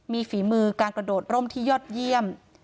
มีฝีมือการกระโดดร่มที่ยอดเยี่ยม